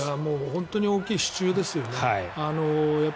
本当に大きい支柱ですよね。